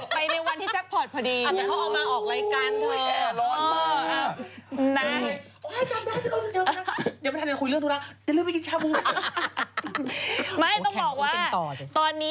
ไปในวันที่จักรพอร์ตพอดี